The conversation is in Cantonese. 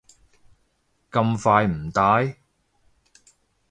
咁快唔戴？